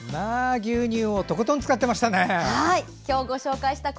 牛乳をとことん使っていましたね。